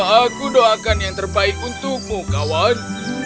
aku doakan yang terbaik untukmu kawan